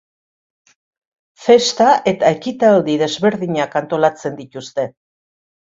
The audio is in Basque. Festa eta ekitaldi desberdinak antolatzen dituzte.